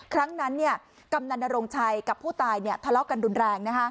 ครั้งนั้นกำนันนรงชัยกับผู้ตายทะเลาะกันรุนแรง